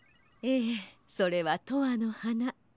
ええそれは「とわのはな」。